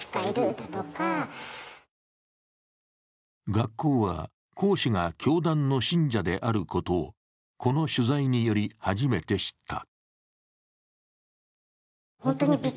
学校は、講師が教団の信者であることをこの取材により初めて知った。